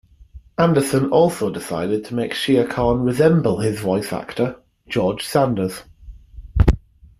Anderson also decided to make Shere Khan resemble his voice actor, George Sanders.